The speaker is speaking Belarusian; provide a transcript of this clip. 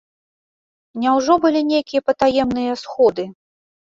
Няўжо былі нейкія патаемныя сходы?